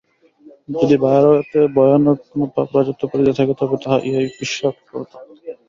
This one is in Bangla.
যদি ভারতে ভয়ানক কোন পাপ রাজত্ব করিতে থাকে, তবে তাহা এই ঈর্ষাপরতা।